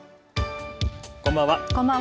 こんばんは。